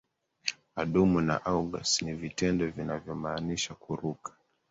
Adumu na aigus ni vitendo vinavyomaanisha kuruka